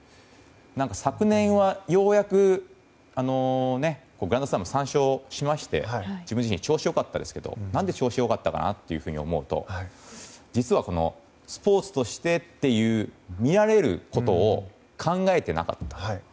昨年は、ようやくグランドスラム３勝しまして自分自身、調子良かったですがなぜ調子が良かったのかなと思うと実はスポーツとしてっていう見られることを考えていなかった。